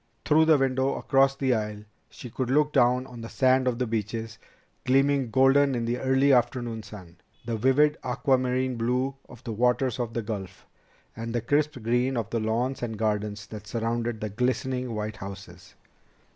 Through the window across the aisle, she could look down on the sand of the beaches, gleaming golden in the early afternoon sun, the vivid aquamarine blue of the waters of the Gulf, and the crisp green of the lawns and gardens that surrounded the glistening white houses.